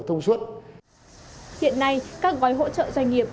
hiện nay các gói hỗ trợ doanh nghiệp